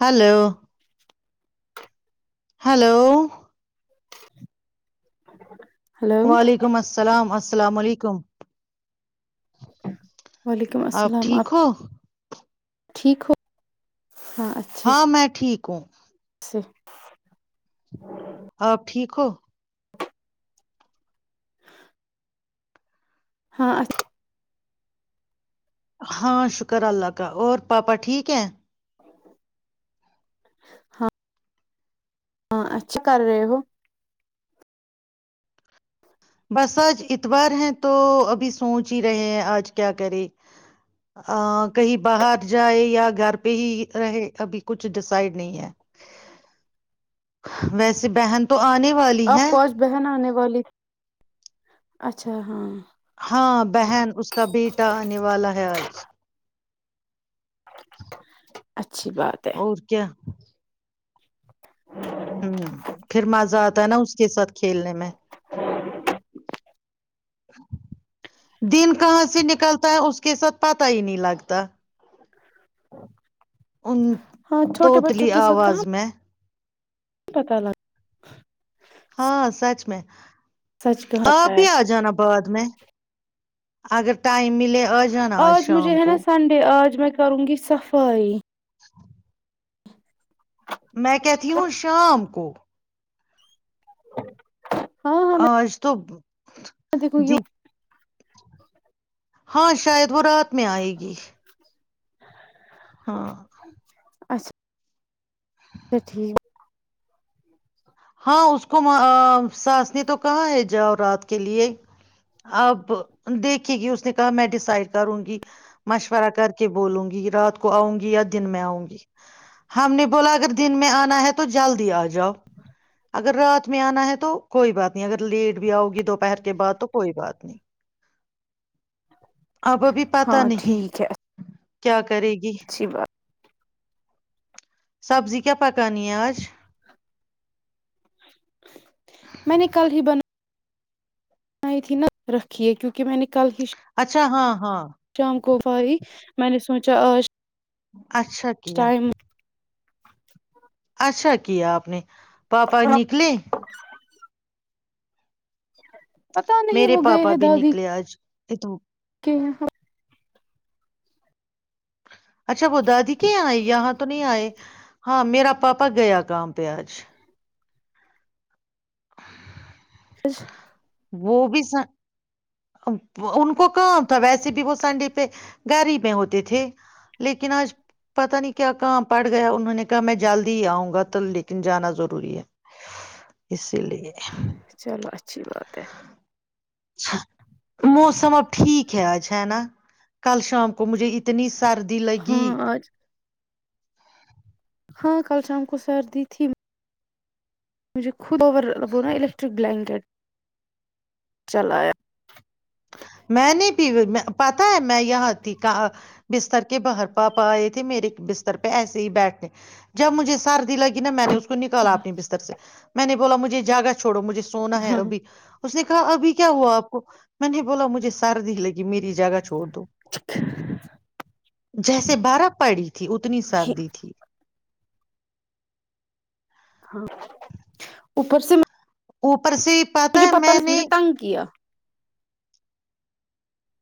hello hello ج وعلیکم السلام السلام السلام علیکم وعلیکم آپ السلام ٹھیک ہو ٹھیک ہو ہاں ہاں میں ٹھیک کو جی آپ ٹھیک ہو ہاں اچھ ہاں شکر اللہ کا اور پاپا ٹھیک ہے ہاں ہاں اچھا کر رہے ہو بس آج اتوار ہے تو ابھی سوچ ہی رہے ہیں آج کیا کرے کہیں باہر جائے یا گھر پہ ہی رہے ابھی کچھ ڈسائڈ نہیں ہے ویسے بہن تو آنے والی آپ ہے کو آج بہن آنے والی اچھا ہاں ہاں بہن اس کا بیٹا آنے والا ہے آج سہی اچھی بات ہے اور کیا تا نا اس کے ساتھ کھیلنے میں دن کہاں سے نکلتا ہے اس کے ساتھ پتا ہی نہیں لگتا ا ان تووطلی آواز میں کا لتا ہاں سچ میں سچ کہتا آپ بھی ہے آ جانا بعد میں اگر [unintelligible] ٹائم ملے آ جانا آج شام مجھے ہے کو نا سنڈے آج میں کروں گی صفائی [inaudible] میں کی تھی ہوں شام کو ہ اس تو دیکھ گی جی ہاں شاید ہو رات میں آئے گی ج [inaudible] ہاں اچھا اچھا ٹھیک ہاں اس کو ساس نے تو کہاں ہے جاؤ رات کے لیے اب دیکھے گی اس نے کہا میں ڈیسائڈ کروں گی مشورہ کر کے بولوں گی رات کو کو آؤں گی یا دن میں آؤں گی ہم نے بولا اگر دن میں آنے ہے تو جلدی آ جاؤ اگر رات میں آنا ہے تو کوئی بات نہیں اگر لیٹ بھی آؤ گی دوپہر کے بعد تو کوئی بات نہیں اب ابھی پاتا ہاں نہیں ٹھیک ہے کیا کرے گی اچھی بات سبزی کیا پکانی ہے آج میں نے کل ہی بن ئی تھی نہ رکھی ہے کیونکہ میں نے اچھا ہاں ہاں کوفائی میں نے سوچا آج اچھا کیا ٹائم [inaudible] اچھا کیا آپ نے پاپا نکلے ج [inaudible] پتا نہیں وہ گئے ہیں دادی تو تو [unintelligible] [inaudible] اچھا وہ دادی کے آئے یہاں تو نہیں آئے ہاں میرا پاپا گیا کام پہ آج ا [unintelligible] وہ بھی س ان کو کام تھا ویسے بھی وہ سنڈے پہ گھر ہی میں ہوتے تھے لیکن آج پتا نہیں کیا کام پڑ گیا انہوں نے کہا میں جلدی ہی آؤں گا تو لیکن جانا ضروری ہے اس چلوچھا [unintelligible] اچھی بات ہے چ موسم اب ٹھیک ہے آج ہے نا کل شام کو مجھے اتنی سردی لگی ہاں آج ہاں کل شام کو سردی تھی مجھے خود وہ نا الیکٹرک بلینکیٹ چلایا میں نے بھی پتا ہے میں یہاں تھی بستر کے باہر پاپا آئے تھے میرے بستر پہ ایسے ہی بیٹھنے جب مجھے سردی لگی نا میں نے اس کو نکالا اپنی بستر سے میں نے بولا مھے جگا چوڑو مجھے سونا ہے ہاں وہ بھی اس نے کہا ابھی کیا ہوا آپ کو میں نے بولا مجھے سردی لگی میری جگہ چ چھڑ دوو [unintelligible] جیسے بارف پڑی تھی اتنی سردی تھی ہاں اوپر سے میں ا [unintelligible] پرس پتا ہے میں نہیں تنگ کیا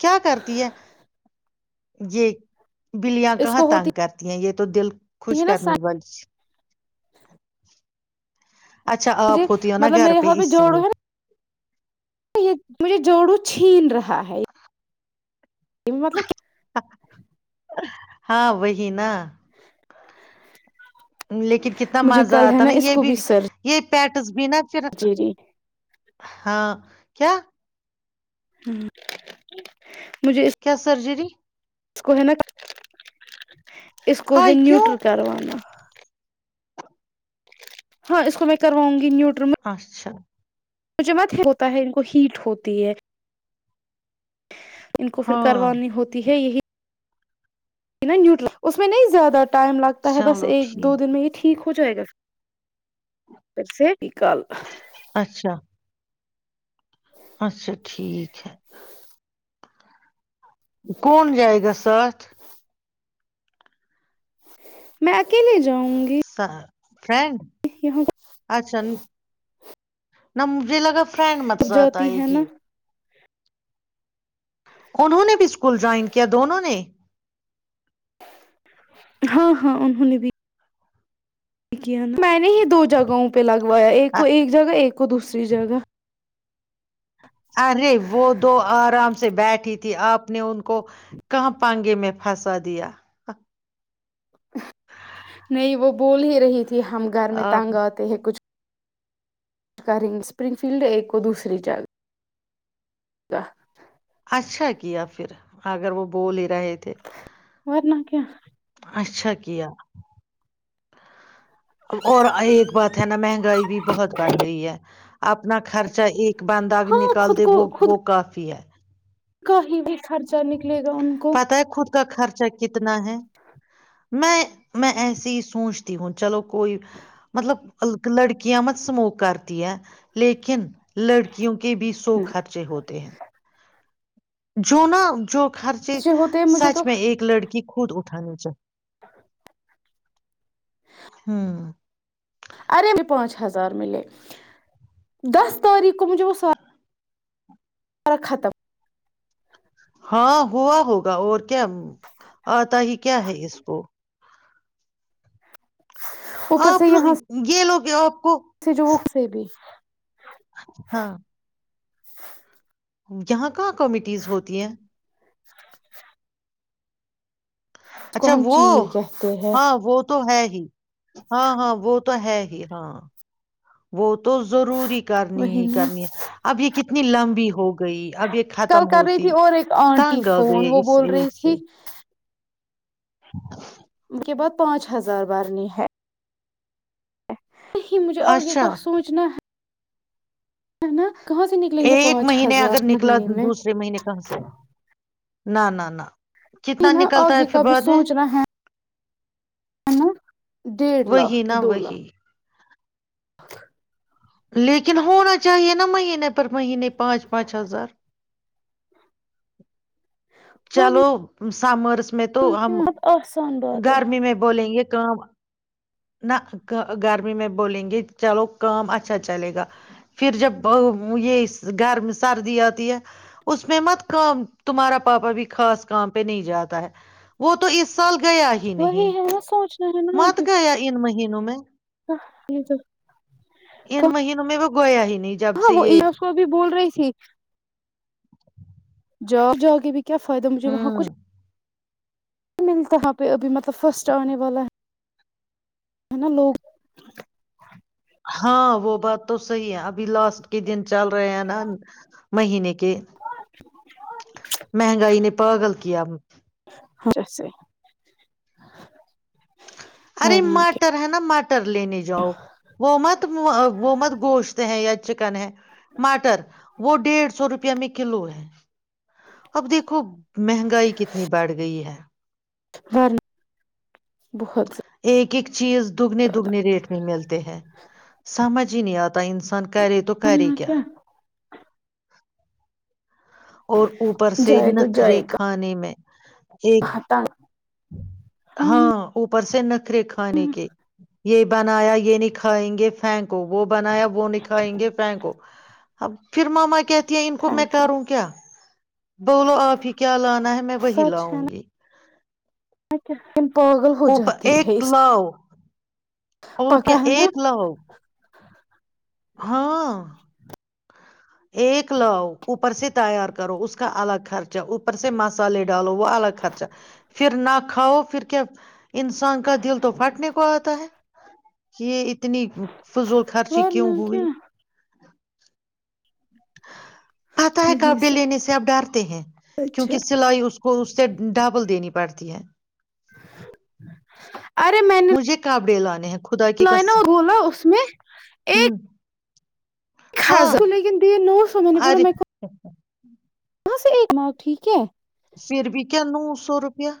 کیا کرتی ہے یہ بلیاں اس کہاں کو ہوتی تانگ کرتی ہیں یہ تو دل خوش ہے نا کرنے والی اچھا مجھے آپ ہوتی ہو نا مطلب گھر میرے یہاں پہ اس لیے جوڑو ہے نا یہ مجھے جوڑو چھین رہکھ ہاں ہے مطلب ہاں وہی نا لیکن کتنا مجھے مزہ کل ہے آتا نا اس یہ کو بھی یہ پٹز بھی ن [unintelligible] پھر سرجری ہاں کیا ہوں مجھے اس کیا سرجری اس کو ہے نا اس کو ہے ہائے کیوں نیوٹر کروانا ہاں اس کو میں کروؤں گی نیو اچھا م جومت ہوتا ہے ان کو ہیٹ ہوتی ہے ان کو پھر ہاں کروانی ہوتی ہے یہی نا نیوٹرل اس میں نہیں زیادہ ٹائم لگتا ہے بس چلو ایک دو ٹھیک دن میں یہ ٹھیک کچھ جائے گا پھر سے بکال اچھا اچھا ٹھیک ہے کون جائہ گ سات میں اکیلے جاؤں گی فریڈ یہاں اچھا نمبر مجھے لگا فریڈ متزہ آتا جاتی ہے کہ نا انہوں نے بھی اسکول جوائن کیا دونوں نے ہاں ہاں انہوں نے بھی میں نے ہی دو جگہوں پہ لگا ایک کو ایک جگہ ایک کو دوسری جگہ ارے وہ دو آرام سے بیٹھ تھی آپ نے ان کو کو کہاں پائیں گے میں پھاسا دیا نہیں وہ بول ہی رہی تھی ہم گھر میں آپ تنگ آتے ہیں کچھ اسپرنگ فیلڈ ایک اور دوسری جگہ اچھا کیا پھر اگر وہ بولے تو رہے تھے [inaudible] اچھا کیا اور ایک بات ہے نا مہنگائی بھی بہت بڑھ گئی ہے اپنا خرچ چاہ ایک بندند آگ ہاں نکال د وہ وہ کافی ہے کای خرچہ نکلے گا ان کو پتہ ہے خود کا خرچا کتنا کتنا ہے میں میں ایسے ہی سوچتی ہوں چلو کوئی مطلب لڑکیاں مت سموک کرتی ہے لیکن لڑکیوں کے بھی سو نہ، خرچے ہوتے ہیں جو نا جو خرچے ہوتے ہیں مجھے سچ تو میں ایک لڑکی خود اٹھانی چ ہاں عرب پانچ ہزار ملے دس تاریخ کو مج سرا ختم ہاں ہوا ہوگا اور کیا آتا ہی کیا ہے اس کو آپپ گی لوگ گ [inaudible] اس سے جو سے بھی ہاں یہاں کہاں کومیٹیز ہوتی ہیں کو اچھا ہم وہ چیر کہتے ہیں ہاں وہ تو ہے جی ہاں ہاں وہ تو ہے ہاں وہ تو ضروری کرنی وہی ہی نا کرنی ہے اب یہ کتنی اتنی لمبی ہو گئی اب یہ کل ختم کر رہی تھی ہوتی اور ایک آنٹی تنگ آ فون گئے وہ اس بول رہی ایج تھی سے کے بعد پانچ ہزار بارنی ہے نہیں مجھے آگے اچھا کا سوچنا ہے ہے نا سے نکلیں گے ایک پانچ مہینے اگر ہزار نکلا مہینے میں دوسرے مہینے کہاں سے نہ نہ نہ یہ کتنا نا نکلتا ہے آگے پھر کا بھی بعد میں سوچنا ہے ہے نا ڈیھ لاکھ وہی کہ نا دو لاکھ وہی ار لیکن ہونا چاہیے نا مہینے پر مہینے پانچ پانچ ہزار ورنہ چلو سمرس میں تو ہم کیا آسان بات ہے گرمی میں بولیں گے کام نہ گرمی میں بولیں گے چلو کام اچھا چلے گا پھر جب یہ گرم سردی آتی ہے اس میں مت کام تمہارا پاپا بھی خاص کام پہ نہیں جاتا ہے وہ تو اس سال گیا ہی وہی نہیں ہے نا سوچنا ہے نا مت گیا ان مہینوں میں آگے کا ان مہینوں میں وہ گیا ہی نہیں جب ہاں سے وہ یہ اس کو بھی بول رہی تھی جا جاؤ کے بھی کیا فائدہ مجھے وہاں کچھ ہوں ملتا وہ پہ ابھی مطلب فرسٹ آنے والا ہے نا لوگ ہاں وہ بات تو صحی ہے ابھی لاسٹ کے دن چل رہے ہیں ن مہینے مہنگائی نے پاگل کیا ہاں جیسے ارے ورنہ مٹر ہے نا مٹر لینے جاؤ وہ مت وہ مت گوشت ہیں یا چکن ہے ماٹر وہ ڈیڑھ سو روپے میں کلو ہے اب دیکھو مہنگائی کتنی بڑھ گئی ہے ہ بہت ایک ایک چیز دگنے دگنے ریٹ میں ملتے ہیں سمجھ ہی نہیں آتا انسان کری تو کری کیا اور اوپر سے نکھرے کھانے میں ایک ہتاا ہاں وہ پرسن نکھ رکھ کھانے کے یہ بنایا یہ نہیں کھائیں گے تھینک کو وہ بنایا وہ نکھائیں گے پ کو اب پھر ماما کہتی ہیں ان کو میں تھینک یو کروں کیا بولو آپ ہی کیا لانا ہے میں وہی لاؤں گی اچھا اوپر ایک لو اور پکا کیا ہے نا ایک لو ہاں ایک لاؤ اوپر سے تیار کرو اس کا الگ خرچہ اوپر سے مسالے ڈالو وہ الگ خرچہ پھر نہ کھاؤ پھر کیا انسان کا دل تو پھاٹنے کو آتا ہے کہ اتنی فضول خرچی کیوں ورنہ ہووی کیا آ تو ہییک آپ نہیں ڈل ن پ ڈر ہیں سچ کیونکہ ہے سلائی اس کو اس سے ڈبل دینی پڑتی ہے [inaudible] مجھے کاب ڈی لانی لائن بولا اس میں ایک ہوں ک ہاں لیکن دی نو سو میں نے بولو ارے میں یہاں سے ایک ماؤ ٹھیک ہے پھر بھی کیا نو سو روپیہ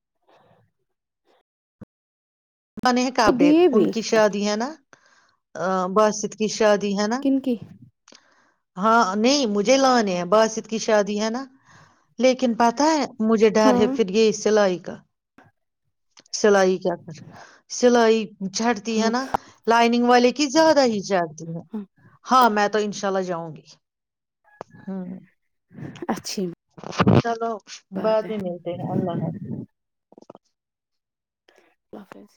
[inaudible] ن تو کابے دیے ان بھی کی شادی ہیں نا ا باسد کی شاہاد کنک ہاں نہیں مجھے لانے ہیں باسط کی شادی ہے نا لیکن پ پتا ہے مجھے ڈر ہاں ہے پھر یہ سلائی کا سلائی کیا کر سلائی چڑتی ہے ہاں نا لائننگ والے کی زیادہ ہی چڑھتی ہے ہاں ہاں میں تو ان شاء اللہ جاؤں گی [inaudible] ہاں اچھی چلو بات ہے بض ہی ملتے ہیں اللہ حافظ اللہ حافظ